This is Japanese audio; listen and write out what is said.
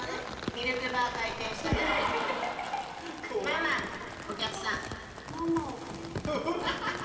ママお客さん。